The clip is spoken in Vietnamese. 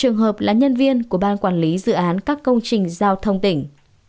hai trường hợp là nhân viên của ban quản lý dự án các công trình giao thông tỉnh